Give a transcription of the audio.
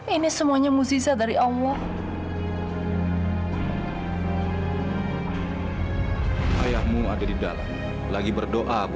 ini semua doa dari ayah bu